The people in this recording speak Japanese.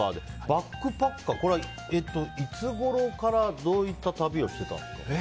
バックパッカーはいつごろからどういった旅をしていたんですか。